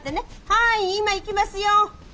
はい今行きますよ！